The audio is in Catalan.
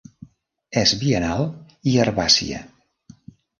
És biennal i herbàcia.